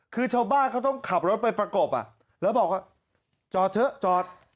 คือชาวบ้านเขาต้องขับรถไปประกบแล้วบอกว่าจอดเถอะจอด